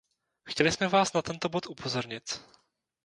Chtěli jsme vás na tento bod upozornit.